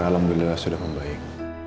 alhamdulillah sudah membaik